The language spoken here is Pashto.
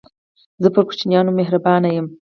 زه پر کوچنيانو مهربانه يم.